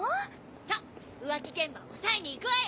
さぁ浮気現場を押さえに行くわよ！